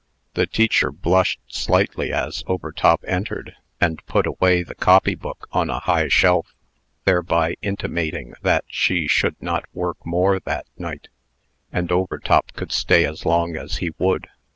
The teacher blushed slightly as Overtop entered, and put away the copy book on a high shelf, thereby intimating that she should not work more that night, and Overtop could stay as long as he would.